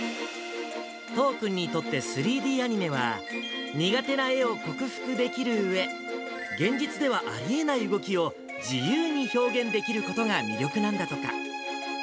都央君にとって、３Ｄアニメは、苦手な絵を克服できるうえ、現実ではありえない動きを、自由に表現できることが魅力なんだとか。